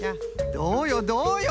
どうよどうよ？